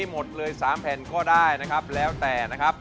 หมดเลย๓แผ่นก็ได้นะครับ